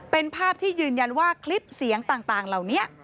เป็นภาพที่ยืนยันว่าคลิปเสียงต่างเหล่านี้